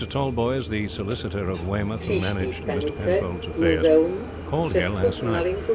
Tallboys, the solicitor of Weymouth who managed Mr. Penfold's affairs, called here last night.